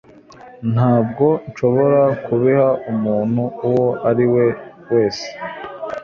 Ntabwo nshobora kubiha umuntu uwo ari we wese.